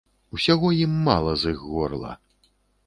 Усяго ім мала з іх горла.